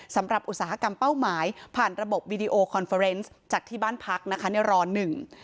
อุตสาหกรรมเป้าหมายผ่านระบบวีดีโอคอนเฟอร์เนสจากที่บ้านพักนะคะในรอหนึ่ง